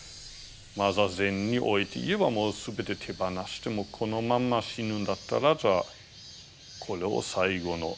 坐禅において言えばもう全て手放してこのまんま死ぬんだったらじゃあこれを最後の坐禅にしようと。